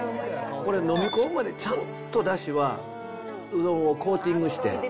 これ、飲み込むまでちゃんとだしはうどんをコーティングして。